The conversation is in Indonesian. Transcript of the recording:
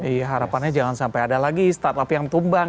iya harapannya jangan sampai ada lagi startup yang tumbang